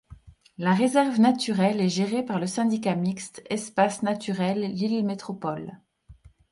La réserve naturelle est gérée par le Syndicat Mixte Espace Naturel Lille Métropole.